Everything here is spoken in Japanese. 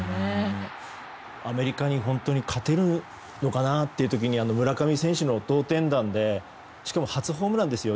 アメリカに勝てるのかなっていう時に村上選手の同点弾でしかも初ホームランですよ。